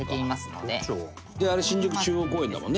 であれ新宿中央公園だもんね。